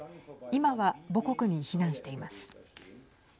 今は、母国に避難しています。